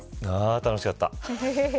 ああ、楽しかった。